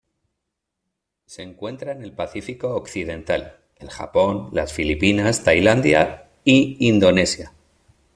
Se encuentra en el Pacífico occidental: el Japón, las Filipinas, Tailandia y Indonesia.